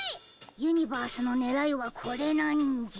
ユニバースのねらいはこれなんじゃ。